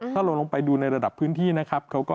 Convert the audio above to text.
ถ้าเราลงไปดูในระดับพื้นที่นะครับ